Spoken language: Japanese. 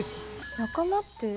仲間って？